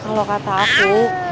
kalau kata aku